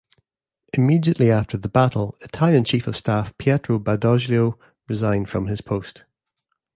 Immediately after the battle, Italian Chief of Staff, Pietro Badoglio, resigned from his post.